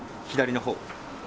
左のほう？